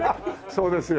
そうですよね。